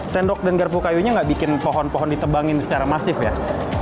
sendok dan garpu kayunya nggak bikin pohon pohon ditebangin secara masif ya